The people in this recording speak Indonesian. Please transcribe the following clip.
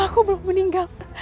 aku belum meninggal